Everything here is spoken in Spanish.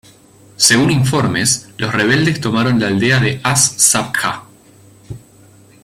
Según informes, los rebeldes tomaron la aldea de As-Sabkhah.